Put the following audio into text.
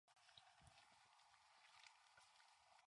He is also noted for describing Bell's palsy.